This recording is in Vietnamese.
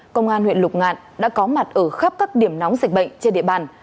công an huyện lục ngạn đã có mặt ở khắp các điểm nóng dịch bệnh trên địa bàn